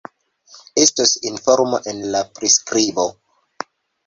Estos informo en la priskribo